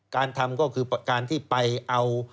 การทำก็คือการที่ไปเอา